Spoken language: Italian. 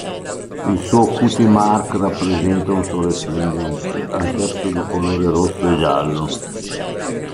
Il suo cutie mark rappresenta un sole splendente, anch'esso di colore rosso e giallo.